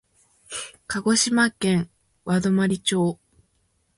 鹿児島県和泊町